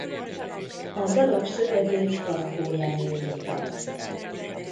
A darab szövegét Faragó Jenő írta.